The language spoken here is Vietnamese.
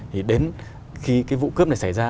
thì đến khi cái vụ cướp này xảy ra